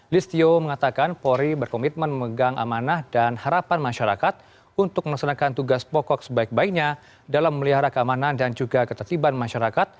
listio mengatakan polri berkomitmen memegang amanah dan harapan masyarakat untuk melaksanakan tugas pokok sebaik baiknya dalam melihara keamanan dan juga ketertiban masyarakat